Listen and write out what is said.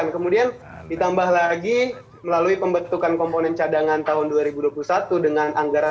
kemudian ditambah lagi melalui pembentukan komponen cadangan tahun dua ribu dua puluh satu dengan anggaran